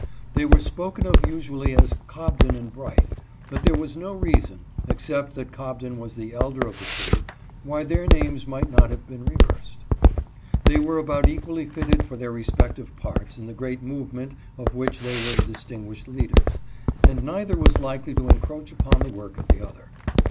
They were spoken of usually as Cobden and Bright, but there was no reason, except that Cobden was the elder of the two, why their names might not have been reversed. They were about equally fitted for their respective parts in the great movement of which they were the distin guished leaders, and neither was likely to encroach upon the work of the other.